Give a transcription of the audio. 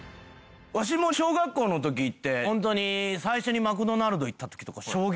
わしも小学校の時ってホントに最初にマクドナルド行った時とか衝撃やった。